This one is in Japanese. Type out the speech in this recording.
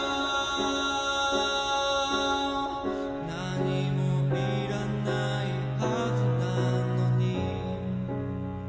「何もいらないはずなのに」